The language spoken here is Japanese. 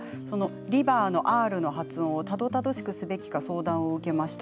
ＲｉｖｅｒのＲの発音をたどたどしくすべきか相談を受けました。